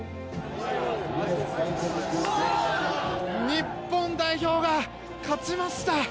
日本代表が勝ちました。